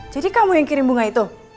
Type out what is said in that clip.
jadi kamu yang kirim bunga itu